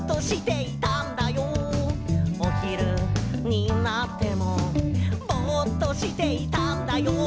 「おひるになってもぼっとしていたんだよ」